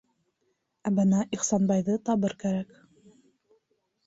Ә бына Ихсанбайҙы табыр кәрәк.